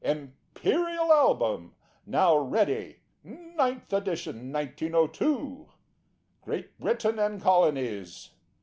IMPERIAL ALBUM. NOW READY. NINTH EDITION, 1902. Great Britain and Colonies.